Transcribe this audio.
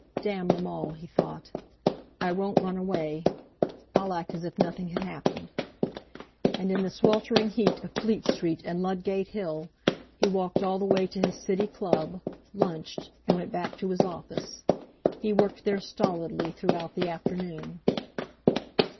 "Damn them all!" he thought; "I won't run away. I'll act as if nothing had happened." And in the sweltering heat of Fleet Street and Ludgate Hill he walked all the way to his City Club, lunched, and went back to his office. He worked there stolidly throughout the afternoon.